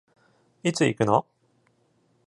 いつ行くの？